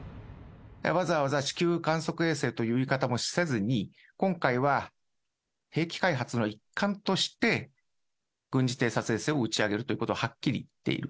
わざわざ地球観測衛星という言い方もせずに、今回は、兵器開発の一環として軍事偵察衛星を打ち上げるということをはっきり言っている。